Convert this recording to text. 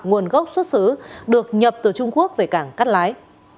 nguồn gốc xuất xứ được nhập từ trung quốc về cảng cát lái